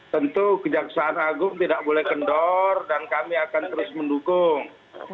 tentu kejaksaan agung tidak boleh kendor dan kami akan terus mendukung